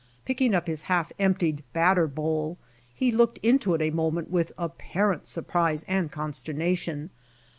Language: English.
Picking up his half emptied batter bowl, he looked into it a moment with apparent surprise and consternation.